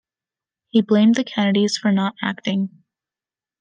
He blamed the Kennedys for not acting.